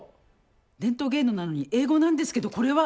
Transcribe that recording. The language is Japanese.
伝統芸能なのに英語なんですけどこれは？